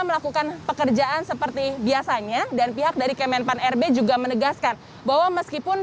melakukan pekerjaan seperti biasanya dan pihak dari kemenpan rb juga menegaskan bahwa meskipun